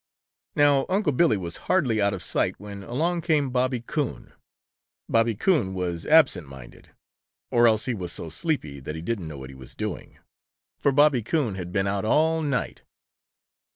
Now Unc' Billy was hardly out of sight when along came Bobby Coon. Bobby Coon was absent minded, or else he was so sleepy that he didn't know what he was doing, for Bobby Coon had been out all night.